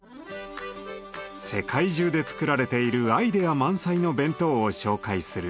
世界中で作られているアイデア満載の弁当を紹介する「ＢＥＮＴＯＥＸＰＯ」。